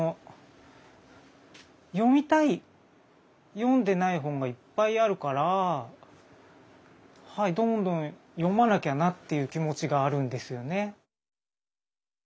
読んでない本がいっぱいあるからどんどん読まなきゃなっていう気持ちがあるんですよね。